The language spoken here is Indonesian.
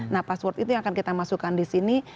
nah password itu yang akan kita masukkan di sini